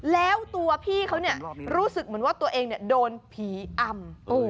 แล้วตัวพี่เขารู้สึกเหมือนว่าตัวเองโดนผีอำ